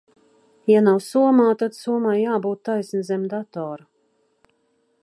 Ja nav somā, tad somai jābūt taisni zem datora.